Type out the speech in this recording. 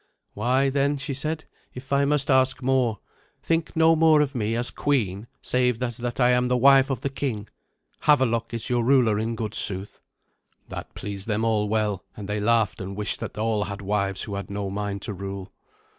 "Why then," she said, "if I must ask more, think no more of me as queen save as that I am the wife of the king. Havelok is your ruler in good sooth." That pleased them all well, and they laughed and wished that all had wives who had no mind to rule.